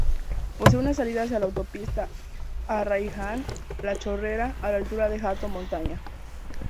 Posee una salida hacia la Autopista Arraiján-La Chorrera a la altura de Hato Montaña.